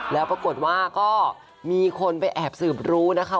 แล้วปรากฏว่าก็มีคนไปแอบสืบรู้นะคะ